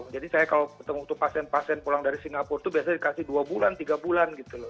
jadi saya kalau bertemu pasien pasien pulang dari singapura itu biasanya dikasih dua bulan tiga bulan gitu loh